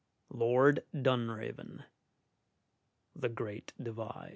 Lord Dunraven: "The Great Divide."